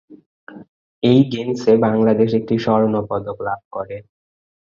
এই গেমসে বাংলাদেশ একটি স্বর্ণ পদক লাভ করে।